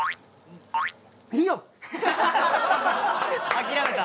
諦めた。